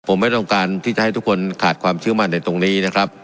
ผมไม่ต้องการที่จะให้ทุกคนขาดความเชื่อมั่นในตรงนี้นะครับ